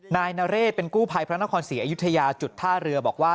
นายนเรศเป็นกู้ภัยพระนครศรีอยุธยาจุดท่าเรือบอกว่า